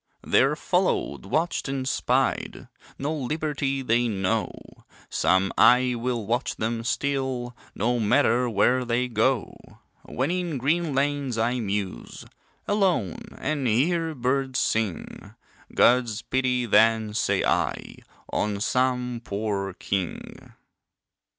They're followed, watched and spied, No liberty they know; Some eye will watch them still, No matter where they go. When in green lanes I muse, Alone, and hear birds sing, God's pity then, say I, On some poor king.